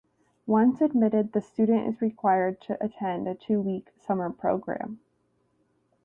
Once admitted, the student is required to attend a two-week summer program.